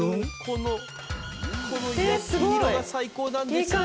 この焼き色が最高なんです。